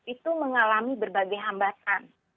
itu mengalami berbagai hambatan